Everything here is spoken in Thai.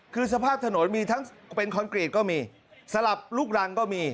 คือสภาพถนนมีทั้งเป็นคอนกรีตก็มีสลับลูกรังก็มี